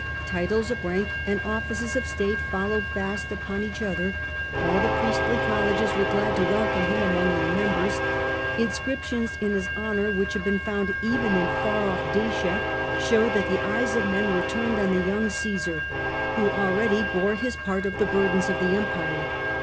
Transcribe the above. Titles of rank and offices of state followed fast upon each other ; all the priestly colleges were glad to welcome him among their members ; inscriptions in his honour which have been found even in far off Dacia show and popu that the eyes of men were turned on the young lar favour Cacsar, who already bore his part of the bur dens of the empire.